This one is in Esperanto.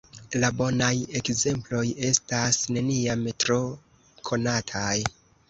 La bonaj ekzemploj estas neniam tro konataj!